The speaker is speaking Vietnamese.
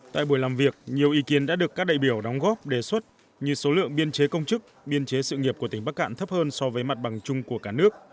tại buổi làm việc nhiều ý kiến đã được các đại biểu đóng góp đề xuất như số lượng biên chế công chức biên chế sự nghiệp của tỉnh bắc cạn thấp hơn so với mặt bằng chung của cả nước